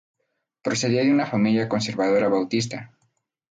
Procedía de una familia conservadora bautista.